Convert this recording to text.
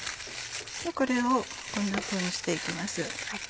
これをこんなふうにして行きます。